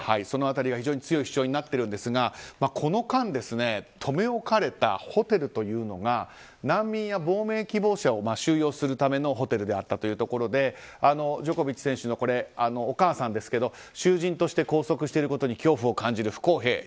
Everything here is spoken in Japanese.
その辺りは強い主張になっているんですがこの間留め置かれたホテルというのが難民や亡命希望者を収容するためのホテルだったということでジョコビッチ選手のお母さんですが囚人として拘束していることに恐怖を感じる、不公平。